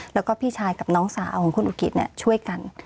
แล้วก็พี่ชายกับน้องสาวของคุณอุกิตช่วยกัน